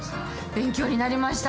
勉強になりました。